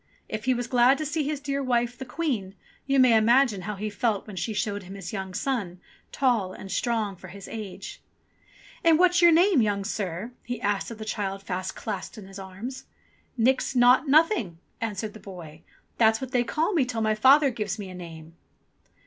If he was glad to see his dear wife, the Queen, you may imagine how he felt when she showed him his young son, tall and strong for his age. "And what's your name, young sir.?" he asked of the child fast clasped in his arms. NIX NAUGHT NOTHING i8i "Nix Naught Nothing," answered the boy; "that's what they call me till my father gives me a name."